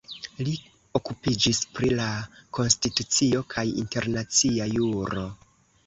Li okupiĝis pri la konstitucio kaj internacia juro.